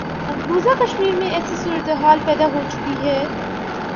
مقبوضہ کشمیر میں ایسی صورتحال پیدا ہو چکی ہے۔